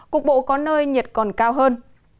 cục bộ có nơi nhiệt còn cao hơn